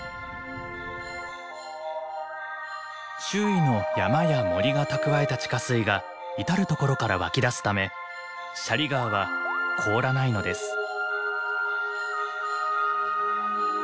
周囲の山や森が蓄えた地下水が至る所から湧き出すため斜里川は凍らないのです。